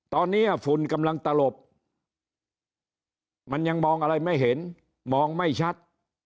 ตอนนี้ฝุ่นกำลังตลบมันยังมองอะไรไม่เห็นมองไม่ชัด